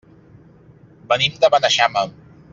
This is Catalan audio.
Venim de Beneixama.